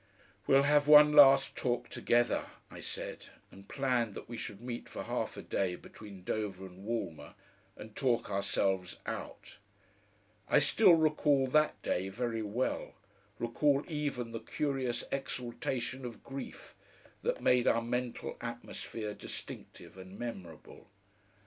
"We'll have one last talk together," I said, and planned that we should meet for a half a day between Dover and Walmer and talk ourselves out. I still recall that day very well, recall even the curious exaltation of grief that made our mental atmosphere distinctive and memorable.